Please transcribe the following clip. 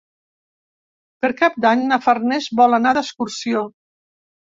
Per Cap d'Any na Farners vol anar d'excursió.